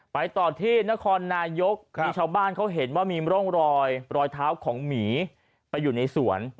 ไปต่อที่นครนายกมีชาวบ้านเขาเห็นว่ามีร่องรอยรอยเท้าของหมีไปอยู่ในสวน